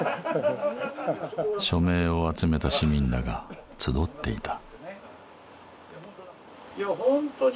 署名を集めた市民らが集っていた。